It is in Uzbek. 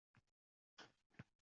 Gul o‘stirdim sening uchun